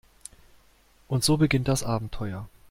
Und so beginnt das Abenteuer.